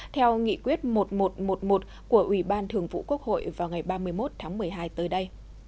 theo nghị quyết một nghìn một trăm một mươi một của ủy ban thường vụ quốc hội vào ngày ba mươi một tháng một mươi hai tới đây